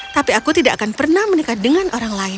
tapi aku tidak akan pernah menikah dengan orang lain